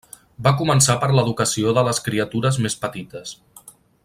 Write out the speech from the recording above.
Va començar per l'educació de les criatures més petites.